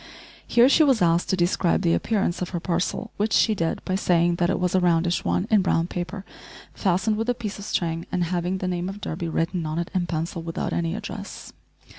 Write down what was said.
Here she was asked to describe the appearance of her parcel, which she did, by saying that it was a roundish one in brown paper, fastened with a piece of string, and having the name of Durby written on it in pencil, without any address.